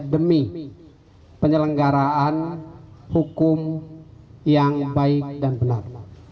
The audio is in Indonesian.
demi penyelenggaraan hukum yang baik dan benar